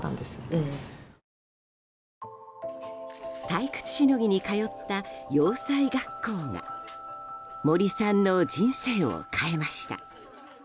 退屈しのぎに通った洋裁学校が森さんの人生を変えました。